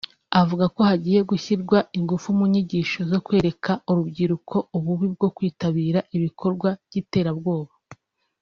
Avuga ko hagiye gushyirwa ingufu mu nyigisho zo kwereka urubyiruko ububi bwo kwitabira ibikorwa by’iterabwoba